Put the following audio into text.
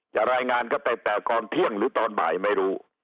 จะรายงานกันไปแต่ก่อนเที่ยงหรือตอนบ่ายไม่รู้